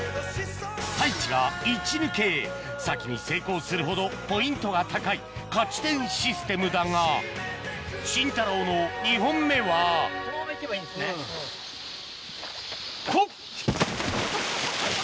太一が１抜け先に成功するほどポイントが高い勝ち点システムだがシンタローの２本目はほっ！